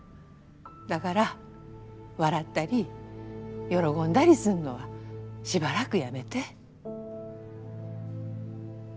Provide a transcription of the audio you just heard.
だがら笑ったり喜んだりすんのはしばらくやめで。